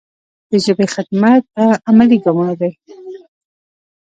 د ژبې خدمت په عملي ګامونو دی.